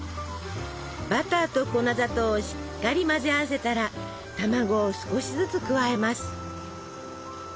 バターと粉砂糖をしっかり混ぜ合わせたら卵を少しずつ加えます。